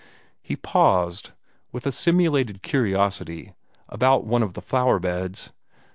He paused, with a simulated curiosity, about one of the flower beds.